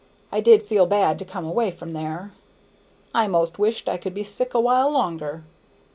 I did feel bad to come away from there; I 'most wished I could be sick a while longer.